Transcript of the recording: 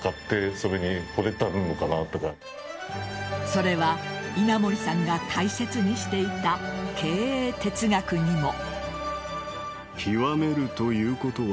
それは稲盛さんが大切にしていた経営哲学にも。